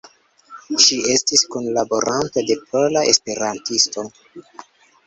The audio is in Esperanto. Ŝi estis kunlaboranto de Pola Esperantisto.